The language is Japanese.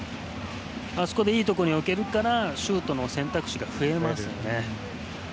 あそこでいいところに置けるからシュートの選択肢が増えますよね。